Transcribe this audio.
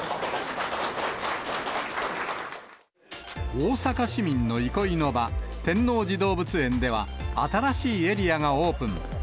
大阪市民の憩いの場、天王寺動物園では、新しいエリアがオープン。